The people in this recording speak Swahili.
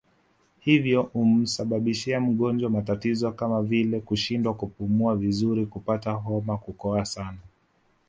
Hivyo humsababishia mgonjwa matatizo kama vile kushindwa kupumua vizuri kupata homa kukohoa sana